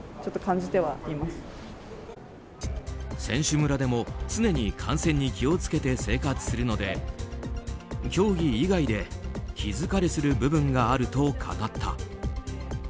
選手村でも、常に感染に気を付けて生活するので競技以外で気疲れする部分があると語った。